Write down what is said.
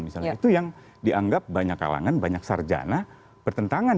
misalnya itu yang dianggap banyak kalangan banyak sarjana bertentangan